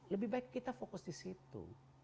lebih baik kita fokus di situ